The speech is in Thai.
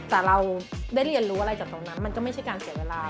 แต่เราได้เรียนรู้อะไรจากตรงนั้นมันก็ไม่ใช่การเสียเวลา